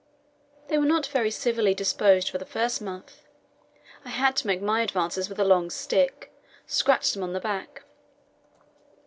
They were not very civilly disposed for the first month. I had to make my advances with a long stick scratch them on the back.